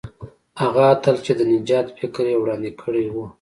هغه اتل چې د نجات فکر یې وړاندې کړی وو.